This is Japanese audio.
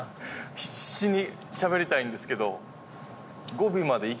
必死にしゃべりたいんですけど。